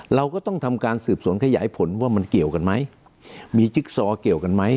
เราก็ต้องทำการสืบสวนขยายผลว่ามันเกี่ยวกันไหมมีจิ๊กซอเกี่ยวกันไหม